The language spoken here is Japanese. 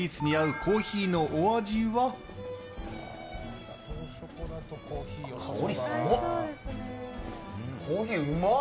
コーヒーうまっ！